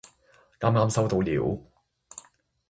啱啱收到料